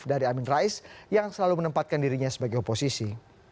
dari amin rais yang selalu menempatkan dirinya sebagai oposisi